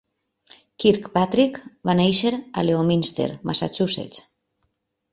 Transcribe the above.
Kirkpatrick va néixer a Leominster, Massachusetts.